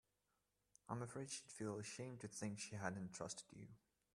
I'm afraid she'd feel ashamed to think she hadn't trusted you.